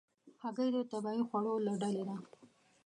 هګۍ د طبیعي خوړو له ډلې ده.